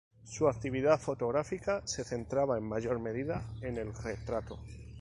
Su actividad fotográfica se centraba en mayor medida en el retrato.